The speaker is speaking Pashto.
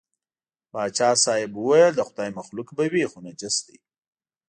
پاچا صاحب وویل د خدای مخلوق به وي خو نجس دی.